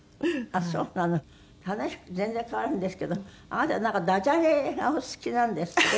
話全然変わるんですけどあなたなんかダジャレがお好きなんですって？